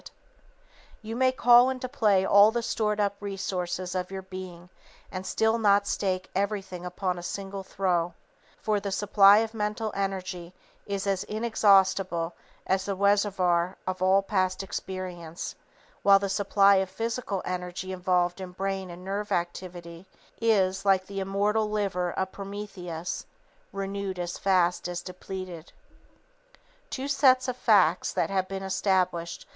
[Sidenote: Fast Living and Long Living] You may call into play all the stored up resources of your being and still not stake everything upon a single throw. For the supply of mental energy is as inexhaustible as the reservoir of all past experience, while the supply of physical energy involved in brain and nerve activity is, like the immortal liver of Prometheus, renewed as fast as depleted.